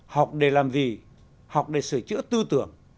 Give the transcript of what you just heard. học để làm gì học để sửa chữa tư tưởng